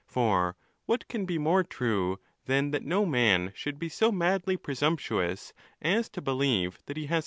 For what can be more true than that no man should be so madly persumptuous as to believe that he has.